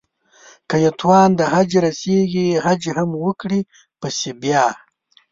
که يې توان د حج رسېږي حج هم وکړي پسې بيا